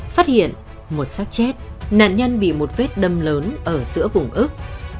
phát hiện một sát chết nạn nhân bị một vết đâm lớn ở giữa vùng ức